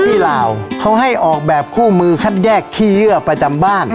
ที่ลาวเขาให้ออกแบบคู่มือคัดแยกขี้เยื่อประจำบ้าน